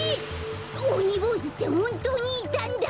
おにぼうずってほんとうにいたんだ！